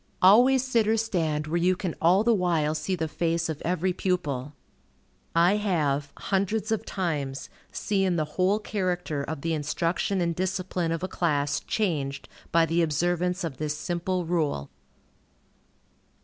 Always sit or stand where you can all the while see the face of every pupil. I have, hundreds of times, seen the whole character of the instruction and discipline of a class changed by the observance of this simple rule.